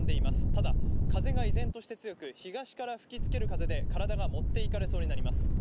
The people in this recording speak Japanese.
ただ風は依然として強く東から吹き付ける風で体が持っていかれそうになります。